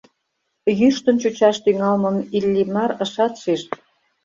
Йӱштын чучаш тӱҥалмым Иллимар ышат шиж.